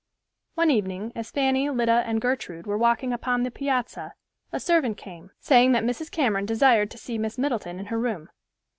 One evening as Fanny, Lida and Gertrude were walking upon the piazza, a servant came, saying that Mrs. Cameron desired to see Miss Middleton in her room.